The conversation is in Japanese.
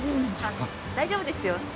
大丈夫ですよ。